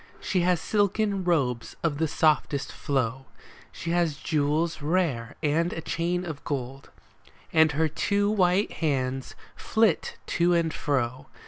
She has silken robes of the softest flow, She has jewels rare and a chain of gold, And her two white hands flit to and fro.